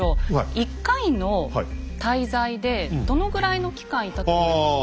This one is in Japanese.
１回の滞在でどのぐらいの期間いたと思いますか？